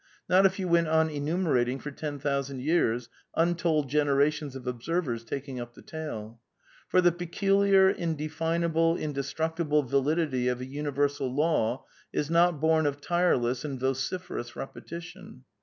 Not if you went on enumerating for ten thousand years, untold generations of observers taking up the tale. Tor the peculiar, indefinable, indestructible validity of a uni _^ versal law is not bom of tireless and vociferous repetition.